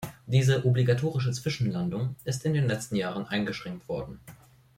Diese obligatorische Zwischenlandung ist in den letzten Jahren eingeschränkt worden.